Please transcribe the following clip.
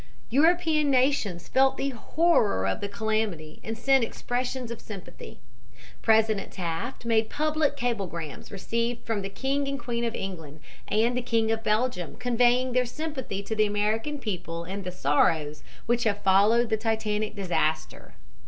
European nations felt the horror of the calamity and sent expressions of sympathy. President Taft made public cablegrams received from the King and Queen of England, and the King of Belgium, conveying their sympathy to the American people in the sorrows which have followed the Titanic disaster.